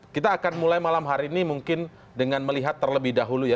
kita akan mulai malam hari ini mungkin dengan melihat terlebih dahulu ya